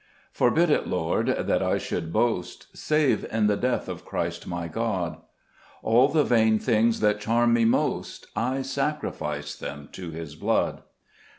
2 Forbid it, Lord, that I should boast, Save in the death of Christ my God : All the vain things that charm me most, I sacrifice them to His blood.